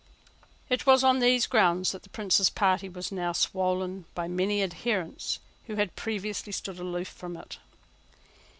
It was on these grounds that the Prince's party was now swollen by many adherents who had previously stood aloof from it.